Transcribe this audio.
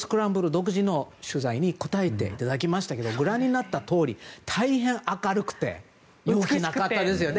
独自の取材に答えていただきましたがご覧になったとおり大変明るくて陽気な方ですよね。